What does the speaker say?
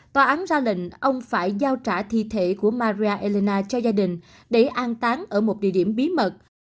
tòa án ra lệnh ông phải giao trả thi thể của marra elina cho gia đình để an tán ở một địa điểm bí mật